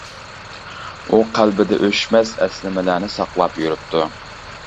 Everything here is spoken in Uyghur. ئۇ قەلبىدە ئۆچمەس ئەسلىمىلەرنى ساقلاپ يۈرۈپتۇ.